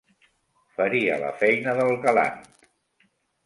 Faria la feina del galant.